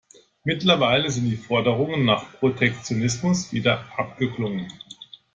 Mittlerweile sind die Forderungen nach Protektionismus wieder abgeklungen.